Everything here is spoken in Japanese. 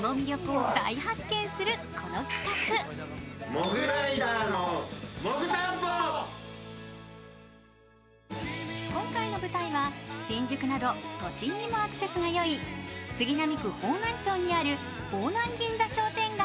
今人気のスポット商店街を今回の舞台は新宿など都心にもアクセスが良い杉並区方南町にある方南銀座商店街。